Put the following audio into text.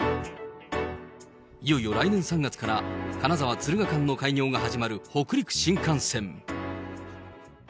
いよいよ来年３月から、金沢・敦賀間の開業が始まる北陸新幹線。